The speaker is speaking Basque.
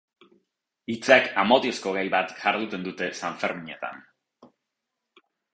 Hitzak amodiozko gai bat jarduten dute Sanferminetan.